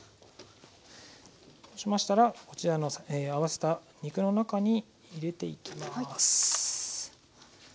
そうしましたらこちらの合わせた肉の中に入れていきます。